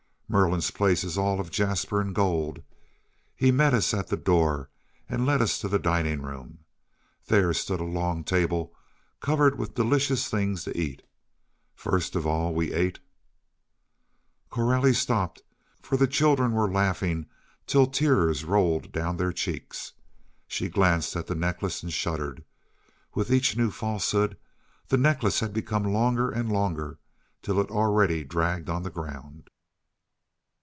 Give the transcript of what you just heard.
Merlin's palace is all of jasper and gold. He met us at the door and led us to the dining room. There stood a long table covered with delicious things to eat. First of all we ate " Coralie stopped, for the children were laughing till the tears rolled down their cheeks. She glanced at the necklace and shuddered. With each new falsehood, the necklace had become longer and longer, till it already dragged on the ground.